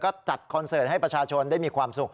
ก็จัดคอนเสิร์ตให้ประชาชนได้มีความสุข